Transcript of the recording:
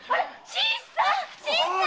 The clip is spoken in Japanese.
新さん！